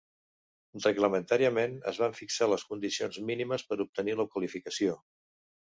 Reglamentàriament es van fixar les condicions mínimes per obtenir la qualificació.